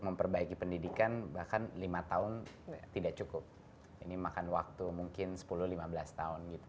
memperbaiki pendidikan bahkan lima tahun tidak cukup ini makan waktu mungkin sepuluh lima belas tahun gitu